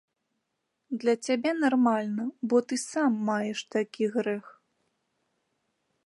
Для цябе нармальна, бо ты сам маеш такі грэх.